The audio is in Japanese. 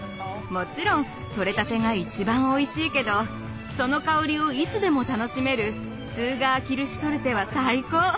もちろんとれたてが一番おいしいけどその香りをいつでも楽しめるツーガー・キルシュトルテは最高！